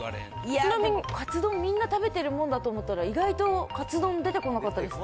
ちなみにカツ丼、みんな食べてるもんだと思ったら、意外とカツ丼出てこなかった。